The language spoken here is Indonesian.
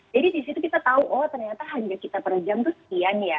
jadi disitu kita tahu oh ternyata hanya kita per jam itu sekian